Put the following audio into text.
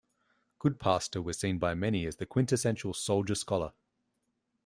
Goodpaster was seen by many as the quintessential "soldier-scholar".